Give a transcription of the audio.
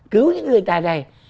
cứu những người tài này